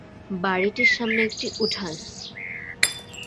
বাড়িটির সামনে একটি উঠান।